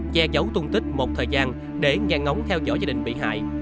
che giấu tung tích một thời gian để nhanh ngóng theo dõi gia đình bị hại